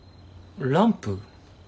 ランプ？